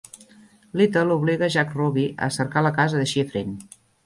Littell obliga Jack Ruby a cercar la casa de Schiffrin.